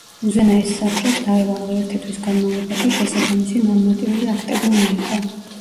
უზენაეს საბჭოს დაევალა, ერთი თვის განმავლობაში შესაბამისი ნორმატიული აქტები მიეღო.